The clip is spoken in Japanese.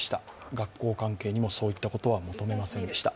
学校関係にもそういったことは求めませんでした。